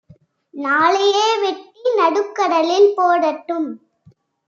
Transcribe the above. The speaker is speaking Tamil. நாளையே வெட்டி நடுக்கடலில் போடட்டும்